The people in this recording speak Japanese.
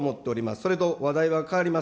それと話題は変わります。